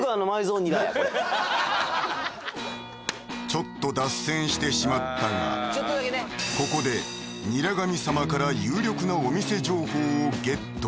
ちょっと脱線してしまったがここでニラ神さまから有力なお店情報をゲット